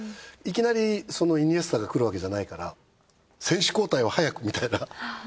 いきなりイニエスタが来るわけじゃないから選手交代を早くみたいな。